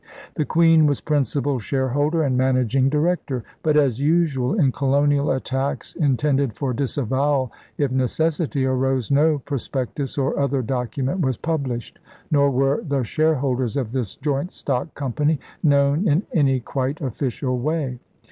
The Queen was principal shareholder and managing director. But, as usual in colonial attacks in tended for disavowal if necessity arose, no pros pectus or other document was published, nor were the shareholders of this joint stock company known in any quite official way.